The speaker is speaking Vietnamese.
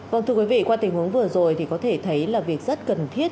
vâng thưa quý vị qua tình huống vừa rồi thì có thể thấy là việc rất cần thiết